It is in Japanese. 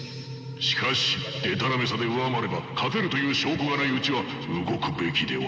しかしでたらめさで上回れば勝てるという証拠がないうちは動くべきでは。